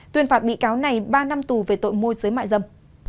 tuyên phạt bị cáo này ba năm tù về tội môi giới mại dâm